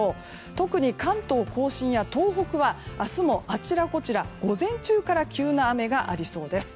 特に関東・甲信や東北は明日もあちらこちらで午前中から急な雨がありそうです。